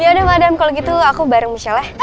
yaudah madem kalau gitu aku bareng michelle ya